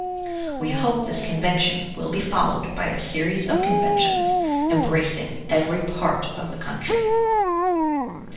We hope this Convention will be followed by a series of Conventions em bracing every part of the country.